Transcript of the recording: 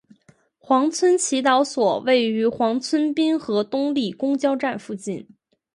黄村祈祷所位于黄村滨河东里公交站附近。